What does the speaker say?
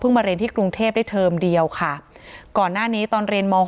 มาเรียนที่กรุงเทพได้เทอมเดียวค่ะก่อนหน้านี้ตอนเรียนม